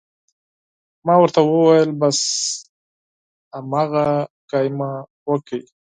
ما ورته وویل: بس هماغه خبره مو وکړه.